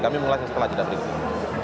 kami mengulasnya setelah jadwal berikut